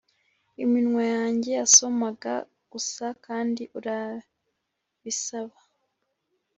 iminwa yanjye yasomaga gusa - kandi urabisaba